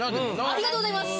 ありがとうございます。